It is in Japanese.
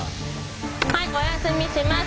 はいおやすみします。